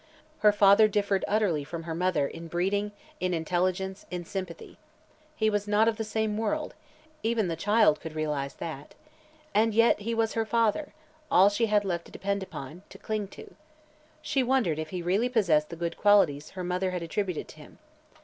Her father differed utterly from her mother in breeding, in intelligence, in sympathy. He was not of the same world; even the child could realize that. And yet, he was her father all she had left to depend upon, to cling to. She wondered if he really possessed the good qualities her mother had attributed to him.